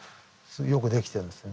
よくできてるんですね。